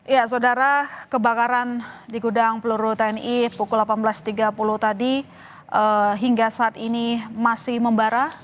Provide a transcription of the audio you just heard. ya saudara kebakaran di gudang peluru tni pukul delapan belas tiga puluh tadi hingga saat ini masih membara